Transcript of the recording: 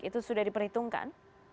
itu sudah diperhitungkan